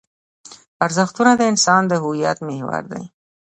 ارزښتونه د انسان د هویت محور دي.